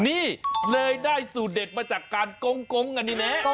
นี่เลยได้สูตรเด็ดมาจากการกงนี่แหละ